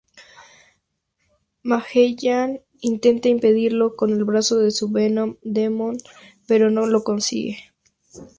Magellan intenta impedirlo con el brazo de su Venom Demon pero no lo consigue.